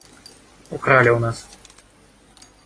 Украли у нас.